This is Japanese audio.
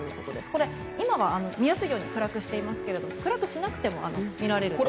これ、今は見やすいように暗くしていますが暗くしなくても見られます。